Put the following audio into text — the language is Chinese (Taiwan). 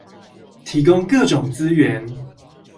提供各種資源